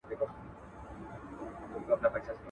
د ښځي لوبه ده، چي؛ ته په ما پسې سه